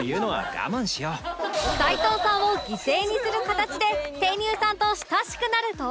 齊藤さんを犠牲にする形で ＴａｙＮｅｗ さんと親しくなると